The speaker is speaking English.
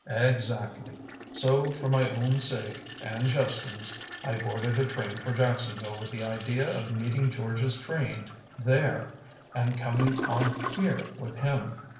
"Exactly. So for my own sake and Jephson's I boarded a train for Jacksonville with the idea of meeting George's train there and coming on here with him.